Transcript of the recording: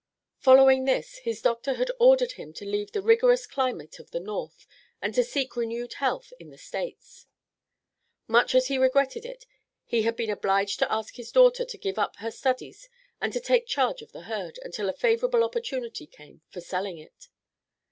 Following this, his doctor had ordered him to leave the rigorous climate of the North and to seek renewed health in the States. Much as he regretted it, he had been obliged to ask his daughter to give up her studies and to take charge of the herd until a favorable opportunity came for selling it.